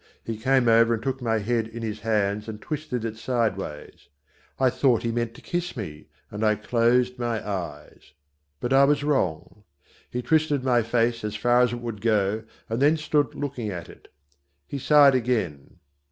He came over and took my head in his hands and twisted it sideways. I thought he meant to kiss me, and I closed my eyes. But I was wrong. He twisted my face as far as it would go and then stood looking at it. He sighed again.